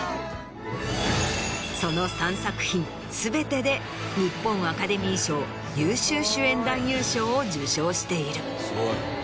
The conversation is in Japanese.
その３作品全てで日本アカデミー賞優秀主演男優賞を受賞している。